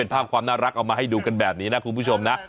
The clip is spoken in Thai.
ภาพความน่ารักเอามาให้ดูกันแบบนี้นะคุณผู้ชมนะ